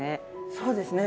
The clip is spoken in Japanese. そうですね。